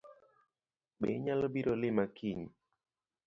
Be inyalobiro lima kiny?